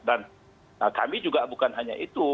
dan kami juga bukan hanya itu